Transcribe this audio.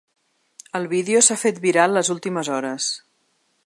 El vídeo s’ha fet viral les últimes hores.